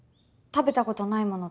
食べたことないもの